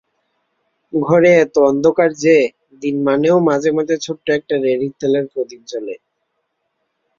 ঘরে এত অন্ধকার যে, দিনমানেও মাঝে মাঝে ছোট্ট একটা রেড়ির তেলের প্রদীপ জ্বলে।